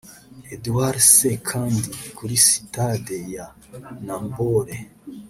Edward Ssekandi kuri sitade ya Namboole